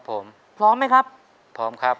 ต้นไม้ประจำจังหวัดระยองการครับ